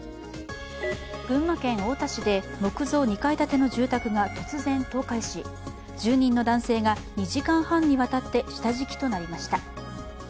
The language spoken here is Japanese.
群馬県太田市で木造２階建ての住宅が突然、倒壊し住人の男性が２時間半にわたって下敷きとなりました。